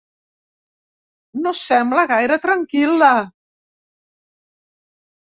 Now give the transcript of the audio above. No sembla gaire tranquil·la.